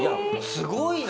すごいな！